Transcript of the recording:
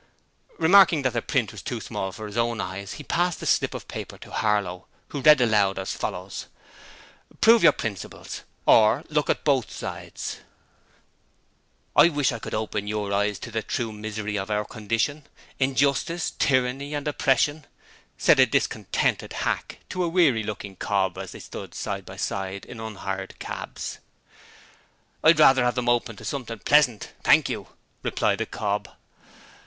Remarking that the print was too small for his own eyes, he passed the slip of paper to Harlow, who read aloud as follows: PROVE YOUR PRINCIPLES: OR, LOOK AT BOTH SIDES 'I wish I could open your eyes to the true misery of our condition: injustice, tyranny and oppression!' said a discontented hack to a weary looking cob as they stood side by side in unhired cabs. 'I'd rather have them opened to something pleasant, thank you,' replied the cob.